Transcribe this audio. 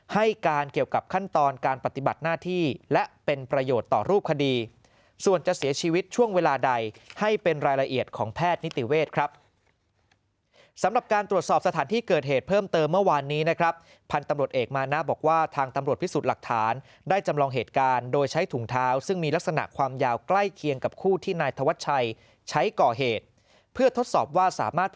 ให้การเกี่ยวกับขั้นตอนการปฏิบัติหน้าที่และเป็นประโยชน์ต่อรูปคดีส่วนจะเสียชีวิตช่วงเวลาใดให้เป็นรายละเอียดของแพทย์นิติเวทครับสำหรับการตรวจสอบสถานที่เกิดเหตุเพิ่มเตอร์เมื่อวานนี้นะครับพันธ์ตำรวจเอกมานาบอกว่าทางตำรวจพิสุจรหลักฐานได้จำลองเหตุการณ์โดยใช้ถุงเท้าซ